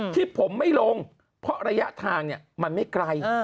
ที่ผมไม่ลงเพราะระยะทางมันไม่ไกล